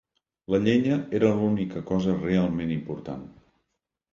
La llenya era l'única cosa realment important.